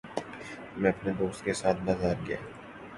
میں اپنے دوست کے ساتھ بازار گیا